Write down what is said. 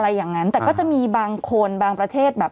อย่างนั้นแต่ก็จะมีบางคนบางประเทศแบบ